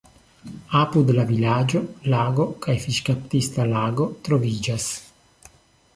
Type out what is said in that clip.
Apud la vilaĝo lago kaj fiŝkaptista lago troviĝas.